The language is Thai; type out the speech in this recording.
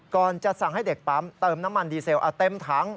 ก่อนจะสั่งให้เด็กปั๊มเติมน้ำมันดีเซลเต็มถัง